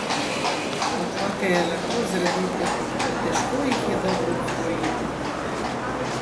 Otroke je lahko zrediti, a težko jih je dobro vzgojiti.